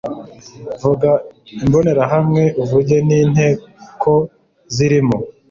vuga imbonerahamwe uvuge n inteko zirimo